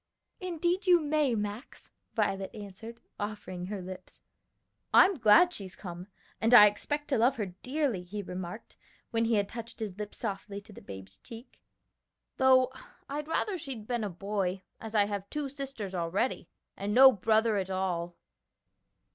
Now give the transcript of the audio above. "Indeed, you may, Max," Violet answered, offering her lips. "I'm glad she's come, and I expect to love her dearly," he remarked, when he had touched his lips softly to the babe's cheek, "though I'd rather she'd been a boy, as I have two sisters already and no brother at all."